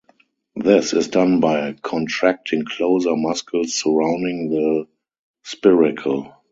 This is done by contracting closer muscles surrounding the spiracle.